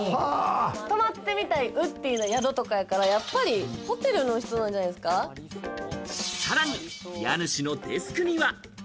泊まってみたいウッディな宿とかやから、やっぱりホテルの人なんさらに家主のデスクには。